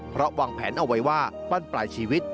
เพราะวางแผนเอาไว้ว่าปั้นปลายชีวิต